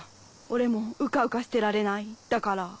「俺もうかうかしてられないだから」。